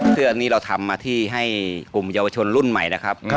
ซึ่งอันนี้เราทำมาที่ให้กลุ่มเยาวชนรุ่นใหม่นะครับ